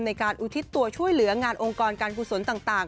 ในการอุทิศตัวช่วยเหลืองานองค์กรการกุศลต่าง